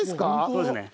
そうですね。